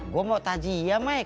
gue mau tajiyah maik